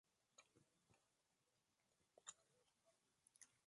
Giles se siente herido porque Buffy se lo haya ocultado.